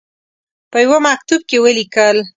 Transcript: په یوه مکتوب کې ولیکل.